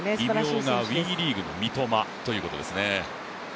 異名がＷＥリーグの三笘ということですね。